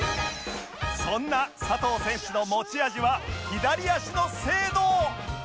そんな佐藤選手の持ち味は左足の精度